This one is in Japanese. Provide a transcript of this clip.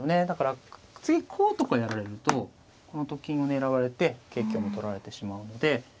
だから次こうとかやられるとこのと金を狙われて桂香も取られてしまうので。